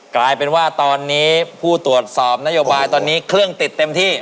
กลายเป็นว่าตอนนี้ผู้ตรวจสอบนโยบายตอนนี้เครื่องติดเต็มที่